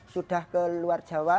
sudah keluar jawa